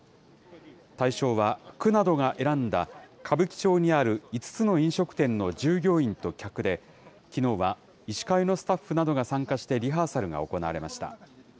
対象は、区などが選んだ歌舞伎町にある５つの飲食店の従業員と客で、きのうは医師会のスタッフなどが参加してリハーサルが行われました。